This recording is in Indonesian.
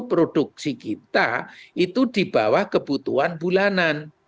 produksi kita itu di bawah kebutuhan bulanan